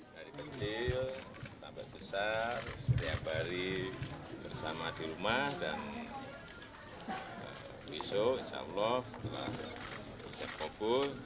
dari kecil sampai besar setiap hari bersama di rumah dan besok insya allah setelah ucap kobul